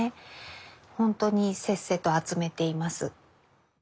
ほんとにせっせと集めています。